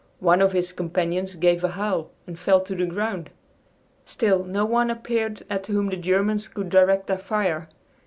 One of his companions gave a howl and fell to the ground. Still no one appeared at whom the Germans could direct their fire.